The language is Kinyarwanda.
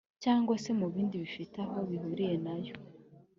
cyangwa se mu bindi bifite aho bihuriye na yo